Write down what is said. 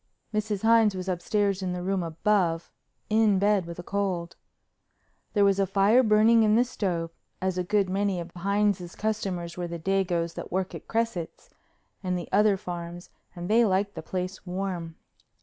Mrs. Hines was upstairs in the room above in bed with a cold. There was a fire burning in the stove, as a good many of Hines's customers were the dagoes that work at Cresset's and the other farms and they liked the place warm.